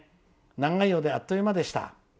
長いようであっという間でした。